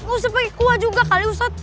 nggak usah pakai kuah juga kali ustadz